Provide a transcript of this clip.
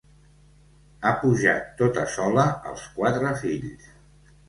Ha pujat tota sola els quatre fills.